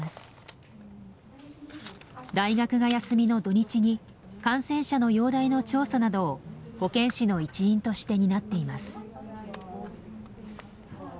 大学が休みの土日に感染者の容体の調査などを保健師の一員として担っています。